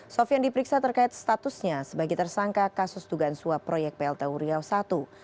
sofian diperiksa terkait statusnya sebagai tersangka kasus tugansua proyek plt uriah i